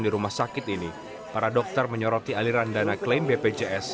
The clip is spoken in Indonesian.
di rumah sakit ini para dokter menyoroti aliran dana klaim bpjs